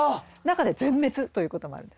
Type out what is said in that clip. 中で全滅ということもある。